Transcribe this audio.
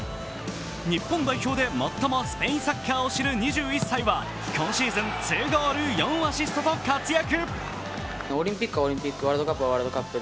日本代表で最もスペインサッカーを知る２１歳は今シーズン２ゴール、４アシストと活躍。